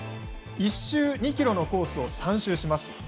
１周２ｋｍのコースを３周します。